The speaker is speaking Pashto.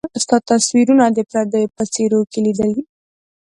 ستا تصويرونه د پرديو په څيرو کي ليدل